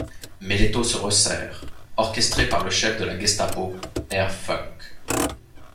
Mais l'étau se resserre, orchestré par le chef de la Gestapo, Herr Funk.